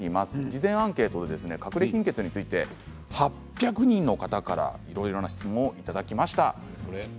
事前アンケートでかくれ貧血について８００人の方からいろいろな質問をいただきました。